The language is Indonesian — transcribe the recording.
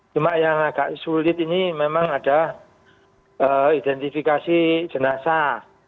cuma yang agak sulit ini memang ada identifikasi jenazah